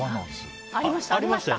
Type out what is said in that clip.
ありました。